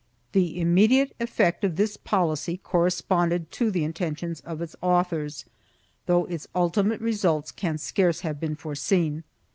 4 The immediate effect of this policy corresponded to the inten tions of its authors, though its ultimate results can scarce have been foreseen.